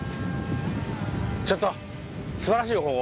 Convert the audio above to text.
ちょっと素晴らしいよ